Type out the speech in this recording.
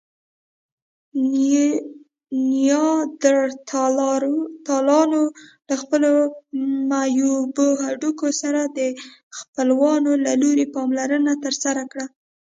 نیاندرتالانو له خپلو معیوبو هډوکو سره د خپلوانو له لوري پاملرنه ترلاسه کړه.